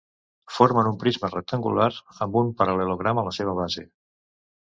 Formen un prisma rectangular amb un paral·lelogram a la seva base.